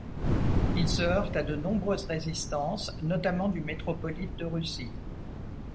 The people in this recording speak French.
Il se heurte à de nombreuses résistances, notamment du métropolite de Russie.